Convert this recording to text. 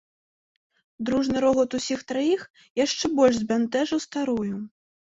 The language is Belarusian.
Дружны рогат усіх траіх яшчэ больш збянтэжыў старую.